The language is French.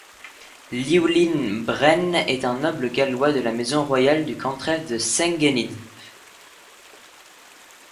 Llywelyn Bren est un noble gallois de la maison royale du cantref de Senghenydd.